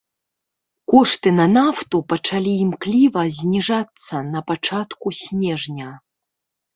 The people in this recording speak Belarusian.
Кошты на нафту пачалі імкліва зніжацца на пачатку снежня.